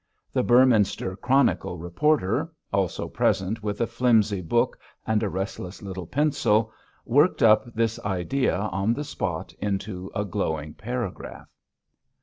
The Beorminster Chronicle reporter also present with a flimsy book and a restless little pencil worked up this idea on the spot into a glowing paragraph.